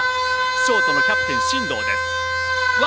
ショートのキャプテン、進藤。